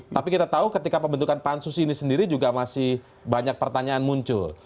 tapi kita tahu ketika pembentukan pansus ini sendiri juga masih banyak pertanyaan muncul